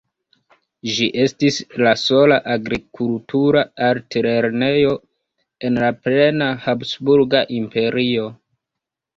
Ĝi estis la sola agrikultura altlernejo en la plena Habsburga Imperio.